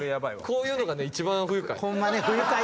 こういうのがね一番不愉快。